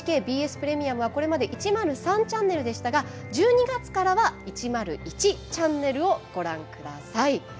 プレミアムはこれまで１０３チャンネルでしたが１２月からは１０１チャンネルをご覧ください。